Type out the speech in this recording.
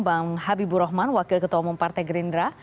bang habibur rahman wakil ketua umum partai gerindra